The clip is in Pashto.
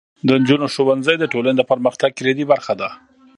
د نجونو ښوونځی د ټولنې د پرمختګ کلیدي برخه ده.